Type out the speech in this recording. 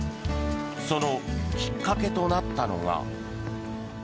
そのきっかけとなったのが。